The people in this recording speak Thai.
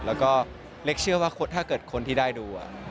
แล้วก็เล็กเชื่อว่าถ้าเกิดคนที่ได้ดู